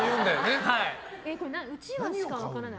うちわしか分からない。